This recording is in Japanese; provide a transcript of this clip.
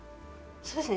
そうですね。